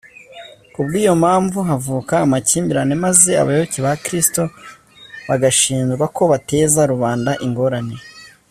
kubw’iyo mpamvu havuka amakimbirane maze abayoboke ba kristo bagashinjwa ko bateza rubanda ingorane